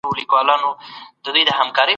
په پریکړو کي له بیړې کار مه اخلئ.